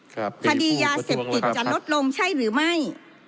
คดียาเสพติดจะลดลงใช่หรือไม่